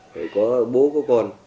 để có bố có con